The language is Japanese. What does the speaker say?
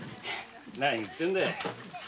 何言ってんだよ